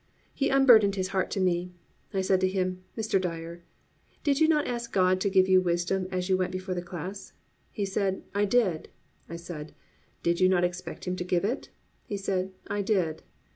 He unburdened his heart to me. I said to him, "Mr. Dyer, did you not ask God to give you wisdom as you went before that class?" He said, "I did." I said, "Did you not expect Him to give it?" He said, "I did."